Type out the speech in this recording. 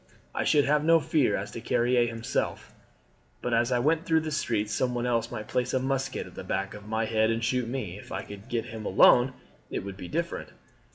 I should have no fear as to Carrier himself, but as I went through the streets some one else might place a musket at the back of my head and shoot me. If I could get him alone it would be different.